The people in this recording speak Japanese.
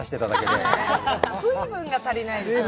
水分が足りないですね。